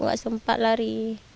gak sempat lari